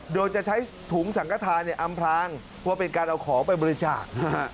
โดยจะใช้ถุงสังกฐานอำพลางว่าเป็นการเอาของไปบริจาค